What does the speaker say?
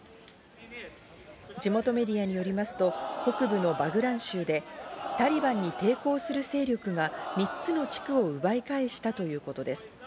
地元メディアによりますと、北部のバグラン州でタリバンに抵抗する勢力が３つの地区を奪い返したということです。